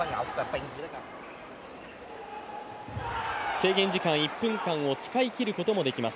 制限時間１分間を使い切ることもできます